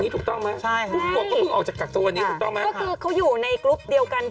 ติดตามจากโควิดเท่านั้นจ๊ะ